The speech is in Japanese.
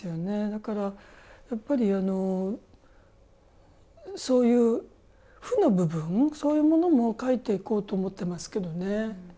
だから、やっぱりそういう負の部分、そういうものも書いていこうと思ってますけどね。